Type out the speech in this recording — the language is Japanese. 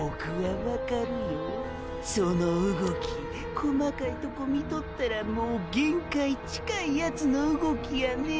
細かいとこみとったらもう“限界”近いヤツの動きやね？